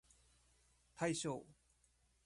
対象